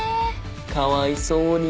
かわいそうに。